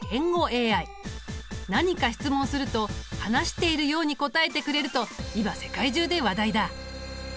何か質問すると話しているように答えてくれると今世界中で話題だ。